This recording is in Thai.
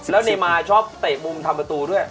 แล้วเนมาชอบเตะมุมทำประตูด้วย